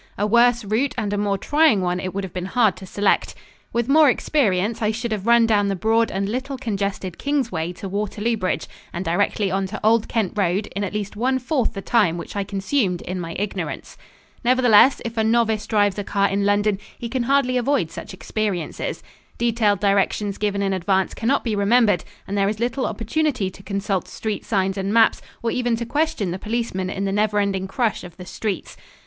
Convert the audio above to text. A worse route and a more trying one it would have been hard to select. With more experience, I should have run down the broad and little congested Kingsway to Waterloo Bridge and directly on to Old Kent road in at least one fourth the time which I consumed in my ignorance. Nevertheless, if a novice drives a car in London, he can hardly avoid such experiences. Detailed directions given in advance cannot be remembered and there is little opportunity to consult street signs and maps or even to question the policeman in the never ending crush of the streets.